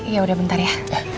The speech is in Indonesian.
yaudah bentar ya